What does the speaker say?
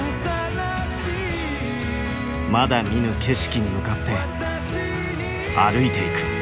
まだ見ぬ景色に向かって歩いていく。